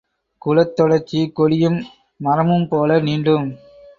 குலத்தொடர்ச்சி கொடியும் மரமும்போல நீண்டும்